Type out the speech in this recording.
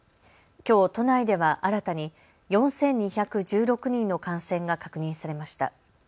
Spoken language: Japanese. きょう都内では新たに４２１６人の感染が確認されました。